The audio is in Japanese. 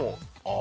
あ！